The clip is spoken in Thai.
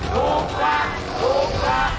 ถูกกว่า